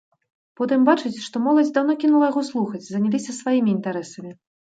Потым бачыць, што моладзь даўно кінула яго слухаць, заняліся сваімі інтарэсамі.